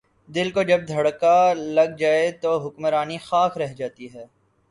دل کو جب دھڑکا لگ جائے تو حکمرانی خاک رہ جاتی ہے۔